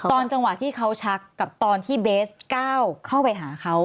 ตอนจังหวะที่เขาชักกับตอนที่เบสก้าวเข้าไปหาเขา